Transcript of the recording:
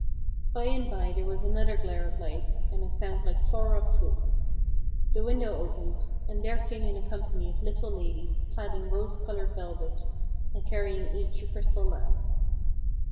By and by there was another glare of lights, and a sound like far off flutes. The window opened, and there came in a company of little ladies clad in rose coloured velvet, and carrying each a crystal lamp.